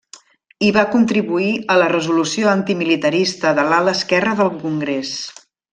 Hi va contribuir a la resolució antimilitarista de l'ala esquerra del congrés.